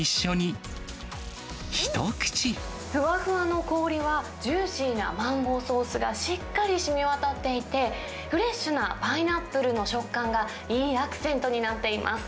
ふわふわの氷は、ジューシーなマンゴーソースがしっかりしみわたっていて、フレッシュなパイナップルの食感がいいアクセントになっています。